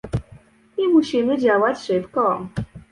I musimy działać szybko